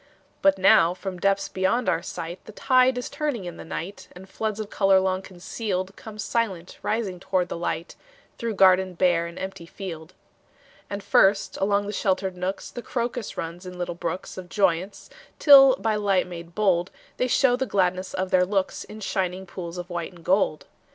But now from depths beyond our sight, The tide is turning in the night, And floods of color long concealed Come silent rising toward the light, Through garden bare and empty field. And first, along the sheltered nooks, The crocus runs in little brooks Of joyance, till by light made bold They show the gladness of their looks In shining pools of white and gold.